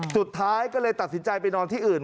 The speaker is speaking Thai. สุดท้ายก็เลยตัดสินใจไปนอนที่อื่น